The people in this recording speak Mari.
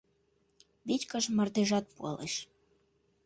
Вичкыж мардежат пуалеш